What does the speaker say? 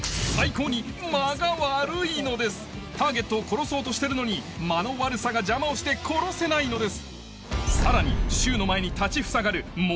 変態⁉ターゲットを殺そうとしてるのに間の悪さが邪魔をして殺せないのです